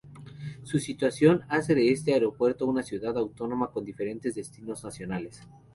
Su situación hace de este aeropuerto una ciudad autónoma con diferentes destinos nacionales.